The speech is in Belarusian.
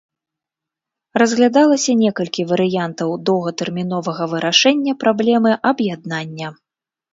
Разглядалася некалькі варыянтаў доўгатэрміновага вырашэння праблемы аб'яднання.